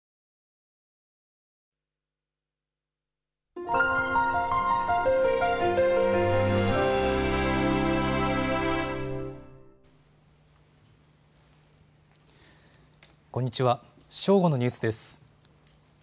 正午のニュースです。